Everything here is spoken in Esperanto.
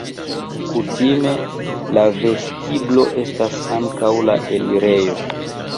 Kutime la vestiblo estas ankaŭ la elirejo.